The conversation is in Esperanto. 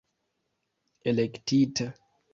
elektita